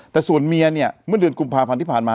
แต่ส่วนเมียเนี่ยเมื่อเดือนกุมภาพันธ์ที่ผ่านมา